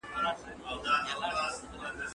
ډیپلوماسي د جګړي د مخنیوي یوازینۍ لار ده.